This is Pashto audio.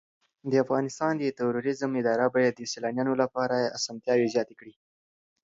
د افغانستان د توریزم اداره باید د سېلانیانو لپاره اسانتیاوې زیاتې کړي.